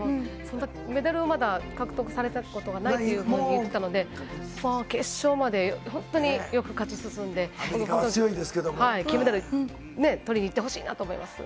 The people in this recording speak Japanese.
メダルはまだ獲得されたことはないと言っていたので、決勝まで本当によく勝ち進んで、金メダルを取りにいってほしいなと思います。